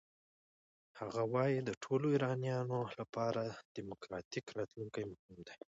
هغه وايي د ټولو ایرانیانو لپاره دموکراتیک راتلونکی مهم دی.